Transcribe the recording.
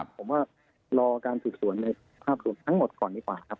ผมว่ารอการสืบสวนในภาพรวมทั้งหมดก่อนดีกว่าครับ